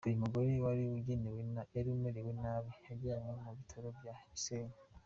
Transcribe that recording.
Uyu mugore wari umerewe nabi yajyanywe ku Bitaro bya Gisenyi.